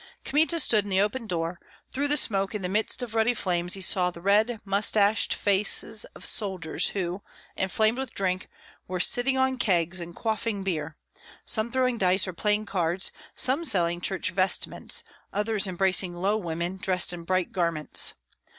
Kmita stood in the open door; through the smoke in the midst of ruddy flames he saw the red, mustached faces of soldiers who, inflamed with drink, were sitting on kegs and quaffing beer; some throwing dice or playing cards, some selling church vestments, others embracing low women dressed in bright garments.